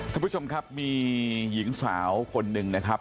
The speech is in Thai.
ท่านผู้ชมครับมีหญิงสาวคนหนึ่งนะครับ